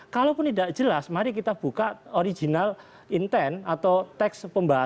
kalaupun tidak jelas mari kita buka original intent atau teks pembahasan